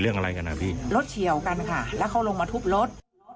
รถเฉี่ยวกันค่ะแล้วเข้าลงมาทุบรถ